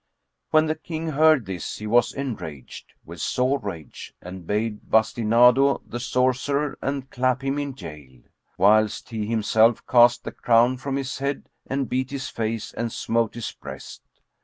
When the King heard this, he was enraged with sore rage; and bade bastinado the sorcerer and clap him in jail, whilst he himself cast the crown from his head and beat his face and smote his breast.